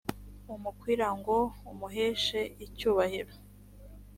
umukwira ngo umuheshe icyubahiro